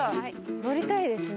乗りたいですね。